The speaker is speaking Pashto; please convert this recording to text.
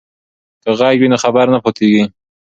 که غږ وي نو خبر نه پاتیږي.